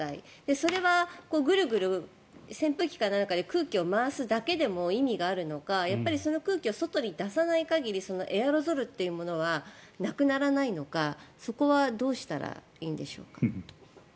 それはグルグル扇風機か何かで空気を回すだけでも意味があるのか、やっぱりその空気を外に出さない限りエアロゾルというものはなくならないのかそこはどうしたらいいんでしょうか？